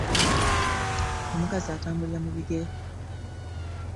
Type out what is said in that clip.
Omukazi attambulira mu bigere.